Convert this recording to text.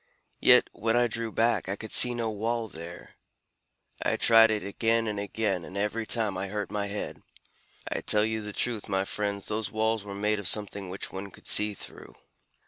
Yet when I drew back, I could see no wall there. I tried it again and again, and every time I hurt my head. I tell you the truth, my friends, those walls were made of something which one could see through."